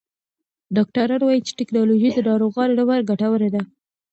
ډاکټران وایې چې ټکنالوژي د ناروغانو لپاره ګټوره ده.